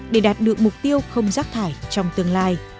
để đạt được mục tiêu không rác thải trong tương lai